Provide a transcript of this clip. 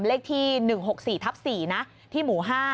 เลขที่๑๖๔๔ที่หมู่๕